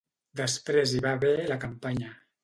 Després hi va haver la campanya.